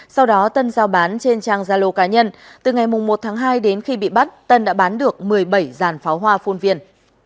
sau đó tân giao bán trên trang gia lô cá nhân từ ngày một tháng hai đến khi bị bắt tân đã bán được một mươi bảy dàn pháo hoa phun viên